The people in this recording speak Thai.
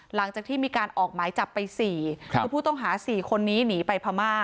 หลังจากที่มีการออกหมายจับไป๔คือผู้ต้องหา๔คนนี้หนีไปพม่า